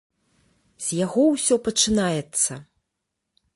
З яго ўсё пачынаецца.